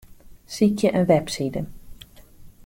Sykje in webside.